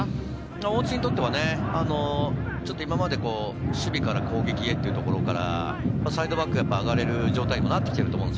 大津にとっては、ちょっと今まで守備から攻撃へというところから、サイドバック上がれる状態になってきていると思うんです。